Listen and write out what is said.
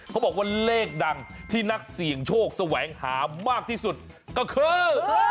เขาบอกว่าเลขดังที่นักเสี่ยงโชคแสวงหามากที่สุดก็คือ